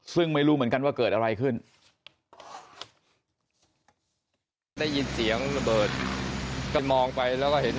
ซึ่งไม่รู้เหมือนกันว่าเกิดอะไรขึ้น